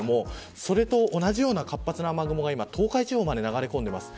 それと同じような活発な雨雲が東海地方まで流れ込んでいます。